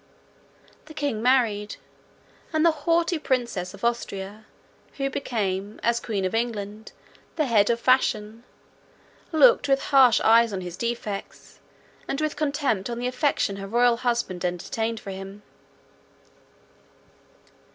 The king married; and the haughty princess of Austria, who became, as queen of England, the head of fashion, looked with harsh eyes on his defects, and with contempt on the affection her royal husband entertained for him.